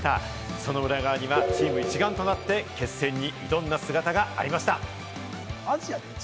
その裏側にはチーム一丸となって決戦に挑んだ姿がありました。